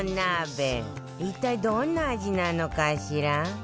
一体どんな味なのかしら？